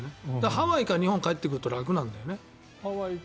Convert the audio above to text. ハワイから日本に帰ってくると楽なんだよね。